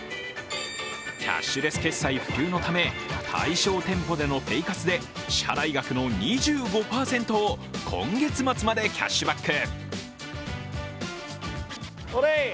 キャッシュレス決済普及のため、対象店舗でのＰＡＹ活で支払額の２５％を今月末までキャッシュバック。